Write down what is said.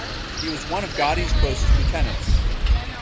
He was one of Gotti's closest lieutenants.